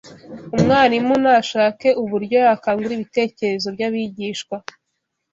umwarimu nashake uburyo yakangura ibitekerezo by’abigishwa